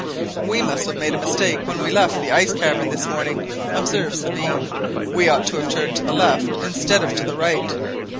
"We must have made a mistake when we left the ice cavern this morning," observed Sabine, "we ought to have turned to the left instead of to the right."